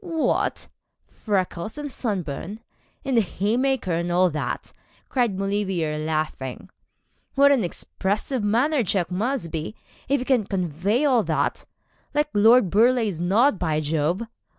'What! freckles and sunburn, and the haymaker, and all that?' cried Maulevrier, laughing. 'What an expressive manner Jack's must be, if it can convey all that like Lord Burleigh's nod, by Jove.